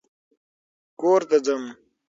کور ته ځم